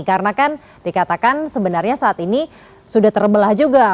karena kan dikatakan sebenarnya saat ini sudah terbelah juga